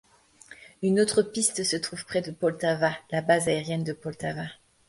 Une autre piste se trouve près de Poltava, la base aérienne de Poltava.